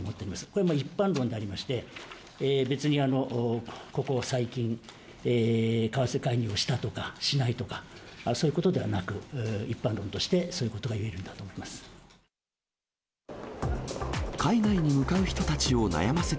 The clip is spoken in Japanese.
これは一般論でありまして、別にここ最近、為替介入をしたとか、しないとかそういうことではなく、一般論としてそういうことがいえるんだと思います。